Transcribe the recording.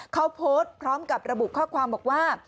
เขาโพสต์พร้อมกับระบุข้อความบอกว่า